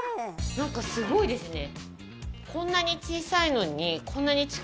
なんかすごいですね。